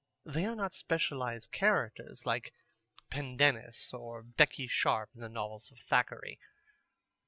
They are not specialized characters like Pendennis or Becky Sharp in the Novels of Thackeray.